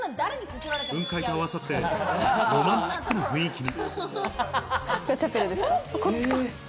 雲海と合わさってロマンチックな雰囲気に。